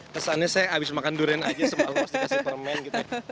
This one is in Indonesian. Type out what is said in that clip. kesannya saya habis makan durian aja sebelum dikasih permen gitu